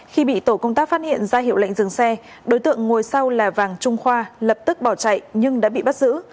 khi bị tổ công tác phát hiện ra hiệu lệnh dừng xe đối tượng ngồi sau là vàng trung khoa lập tức bỏ chạy nhưng đã bị bắt giữ